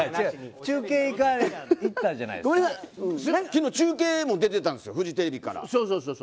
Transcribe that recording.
昨日、中継も出てたんですよフジテレビから。